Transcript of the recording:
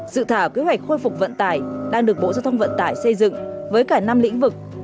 sự thảo kế hoạch khôi phục vận tải đang được bộ giao thông vận tải xây dựng với cả năm lĩnh vực